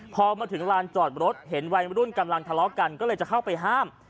พอมาถึงลานจอดรถเห็นวัยรุ่นกำลังทะเลาะกันก็เลยจะเข้าไปห้าม